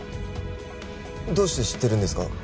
どうして知ってるんですか？